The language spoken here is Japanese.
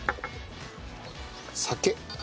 酒。